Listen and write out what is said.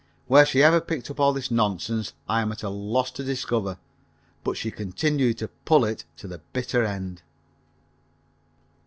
Where she ever picked up all this nonsense I am at a loss to discover, but she continued to pull it to the bitter end.